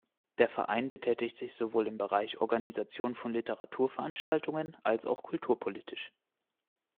Der Verein betätigt sich sowohl im Bereich Organisation von Literaturveranstaltungen als auch kulturpolitisch.